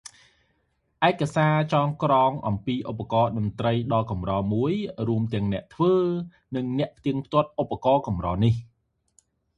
ឯកសារចងក្រងអំពីឧបករណ៍តន្ត្រីដ៏កម្រមួយ រួមទាំងអ្នកធ្វើ និងអ្នកផ្ទាត់ឧបករណ៍កម្រនេះ